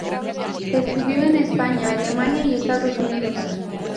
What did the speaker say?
Estudió en España, Alemania y Estados Unidos.